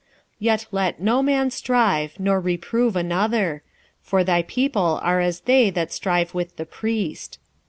4:4 Yet let no man strive, nor reprove another: for thy people are as they that strive with the priest.